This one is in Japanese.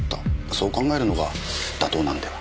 そう考えるのが妥当なのでは？